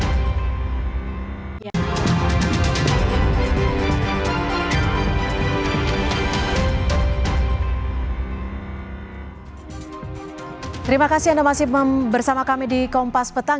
terima kasih anda masih bersama kami di kompas petang